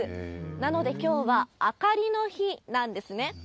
なので、きょうはあかりの日なんですね。